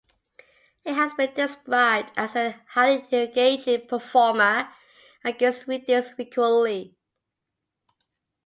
He has been described as a highly engaging performer, and gives readings frequently.